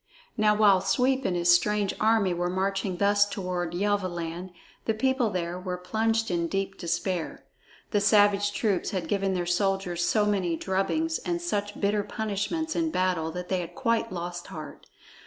Now while Sweep and his strange army were marching thus toward Yelvaland, the people there were plunged in deep despair. The savage troops had given their soldiers so many drubbings and such bitter punishments in battle that they had quite lost heart.